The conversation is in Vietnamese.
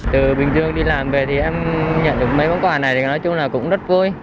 từ bình dương đi làm về thì em nhận được mấy món quà này thì nói chung là cũng rất vui